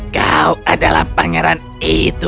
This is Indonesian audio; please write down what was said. kau adalah pangeran itu